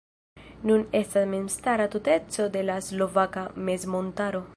Nun estas memstara tuteco de la Slovaka Mezmontaro.